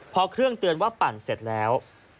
พอเครื่องเตือนว่าปั่นเสร็จแล้ว